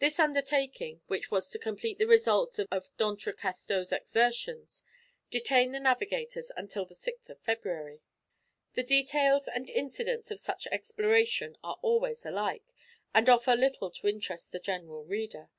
This undertaking, which was to complete the results of D'Entrecasteaux's exertions, detained the navigators until the 6th of February. The details and incidents of such exploration are always alike, and offer little to interest the general reader.